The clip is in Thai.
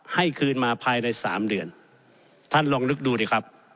คืนมาภายในสามเดือนท่านลองนึกดูดิครับ